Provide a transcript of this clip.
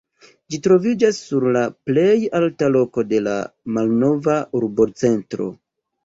Ĝi troviĝas sur la plej alta loko de la malnova urbocentro.